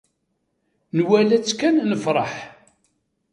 Nwala-tt kan nefṛeḥ.